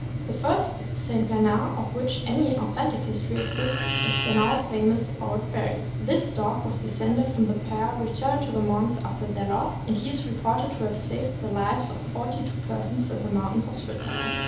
The first St. Bernard of which any authentic history exists is the now famous Old Barry. This dog was descended from the pair returned to the monks after their 554 THE AMERICAN BOOK OF THE DOG. loss, and he is reported to have saved the lives of forty two persons in the mountains of Switzerland.